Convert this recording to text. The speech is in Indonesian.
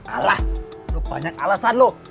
alah lo banyak alasan lo